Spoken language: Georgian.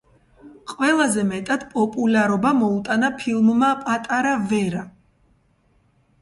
ყველაზე მეტად პოპულარობა მოუტანა ფილმმა „პატარა ვერა“.